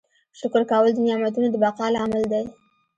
شکر کول د نعمتونو د بقا لامل دی.